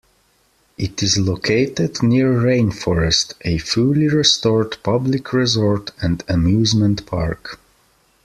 It is located near Rainforest, a fully restored public resort and amusement park.